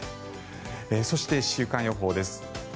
そして、週間予報です。